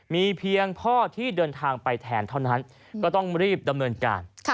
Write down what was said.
มีเพียงพ่อที่เดินทางไปแทนเท่านั้นก็ต้องรีบดำเนินการ